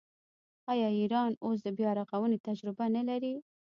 آیا ایران اوس د بیارغونې تجربه نلري؟